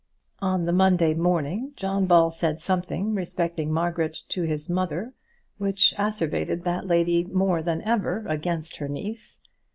On the Monday morning John Ball said something respecting Margaret to his mother which acerbated that lady more than ever against her niece.